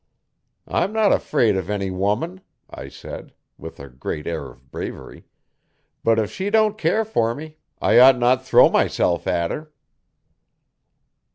'I'm not afraid of any woman,' I said, with a great air of bravery, 'but if she don't care for me I ought not to throw myself at her.'